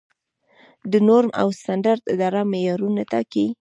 د نورم او سټنډرډ اداره معیارونه ټاکي؟